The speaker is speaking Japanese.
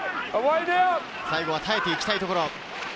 最後は耐えていきたいところ。